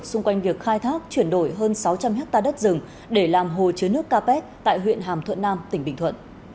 xung quanh việc khai thác chuyển đổi hơn sáu trăm linh hectare đất rừng để làm hồ chứa nước capet tại huyện hàm thuận nam tỉnh bình thuận